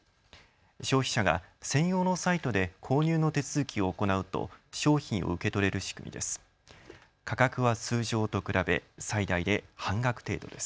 消費者が専用のサイトで購入の手続きを行うと商品を受け取れる仕組みです。